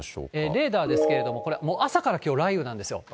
レーダーですけれども、これ、朝からきょう雷雨なんですよ。